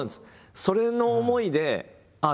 それの思いでああ